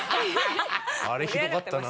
あれひどかったな。